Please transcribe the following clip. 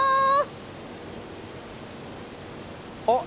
あっ！